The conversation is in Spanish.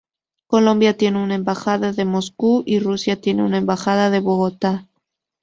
Colombia tiene una embajada en Moscú y Rusia tiene una embajada en Bogotá.